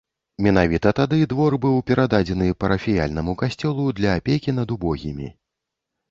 Менавіта тады двор быў перададзены парафіяльнаму касцёлу для апекі над убогімі.